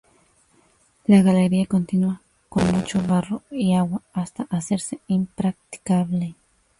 La galería continúa con mucho barro y agua, hasta hacerse impracticable.